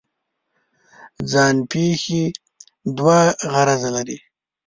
ځان پېښې دوه غرضه لري.